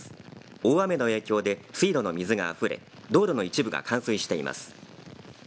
大雨の影響で水路の水があふれ道路の一部が冠水しています。